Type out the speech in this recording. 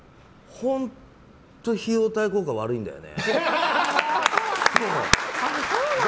本当、費用対効果悪いんだよね。